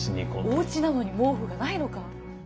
おうちなのに毛布がないのか！